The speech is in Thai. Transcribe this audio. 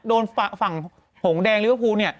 โดนฝั่งผงแดงลิเวอร์พูลเนี่ย